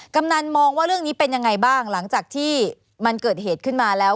กำนันมองว่าเรื่องนี้เป็นยังไงบ้างหลังจากที่มันเกิดเหตุขึ้นมาแล้ว